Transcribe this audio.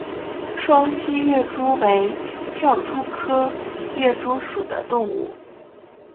双栖跃蛛为跳蛛科跃蛛属的动物。